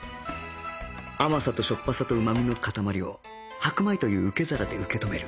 甘さとしょっぱさとうまみのかたまりを白米という受け皿で受け止める